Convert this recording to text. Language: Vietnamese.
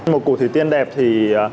một củ thủy tiên đẹp thì